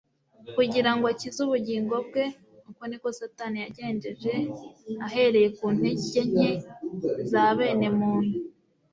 kugira ngo akize ubugingo 'bwe! Uko ni ko Satani yagenjeje ahereye ku ntege nke za bene muntu.